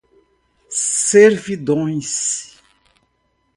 servidões